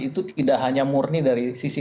itu tidak hanya murni dari sisi